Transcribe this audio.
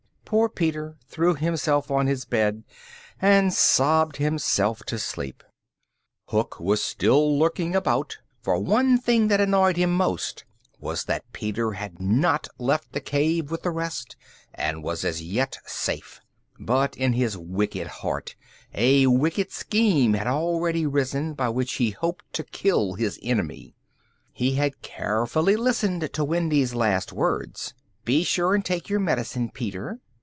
Poor Peter threw himself on his bed and sobbed himself to sleep. Hook was still lurking about, for the one thing that annoyed him most was that Peter had not left the cave with the rest, and was as yet safe. But in his wicked heart a wicked scheme had already risen by which he hoped to kill his enemy. He had carefully listened to Wendy's last words: "Be sure and take your medicine, Peter."